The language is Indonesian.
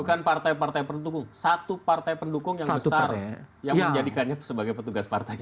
bukan partai partai pendukung satu partai pendukung yang besar yang menjadikannya sebagai petugas partai